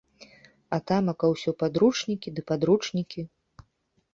А тамака ўсё падручнікі ды падручнікі.